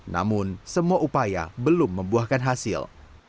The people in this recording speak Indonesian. namun semua upaya belum membuahkan hasil